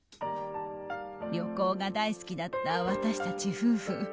旅行が大好きだった私たち夫婦。